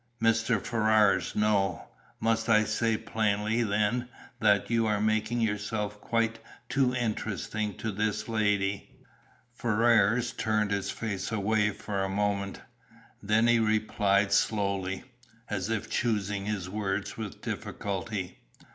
"Mr. Ferrars, no. Must I say plainly, then, that you are making yourself quite too interesting to this lady?" Ferrars turned his face away for a moment. Then he replied slowly, as if choosing his words with difficulty.